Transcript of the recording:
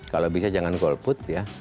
kalau bisa jangan golput ya